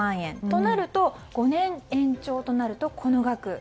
となると、５年延長となるとこの額。